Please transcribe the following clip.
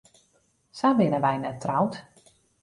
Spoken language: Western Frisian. Sa binne wy net troud.